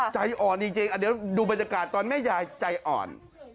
ใจอ่อนจริงเดี๋ยวดูบรรยากาศตอนแม่ยายใจอ่อน